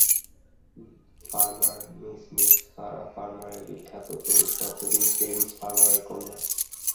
Farmer, miss miss Sarah Farmer বিখ্যাত তরিৎতত্ত্ববিদ Gerrish ফার্মারের কন্যা।